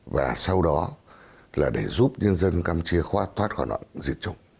và sau đó là để giúp nhân dân campuchia khoát thoát khỏi nạn diệt chủng